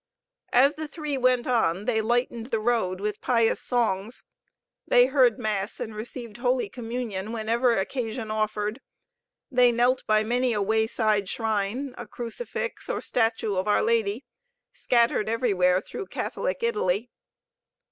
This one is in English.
As the three went on they lightened the road with pious songs, they heard Mass and received Holy Communion whenever occasion offered, they knelt by many a wayside shrine, a crucifix, or statue of our Lady, scattered everywhere through Catholic Italy.